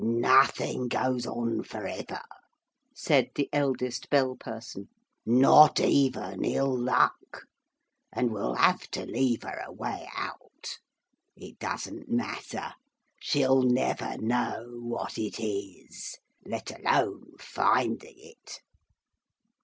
'Nothing goes on for ever,' said the eldest Bell person, 'not even ill luck. And we have to leave her a way out. It doesn't matter. She'll never know what it is. Let alone finding it.'